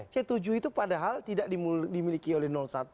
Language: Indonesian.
c tujuh itu padahal tidak dimiliki oleh satu